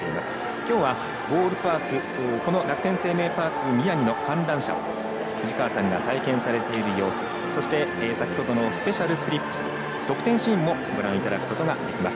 きょうはボールパーク楽天生命パーク宮城の観覧車を藤川さんが体験している様子そして先ほどのスペシャルクリップス得点シーンもご覧にただくことができます。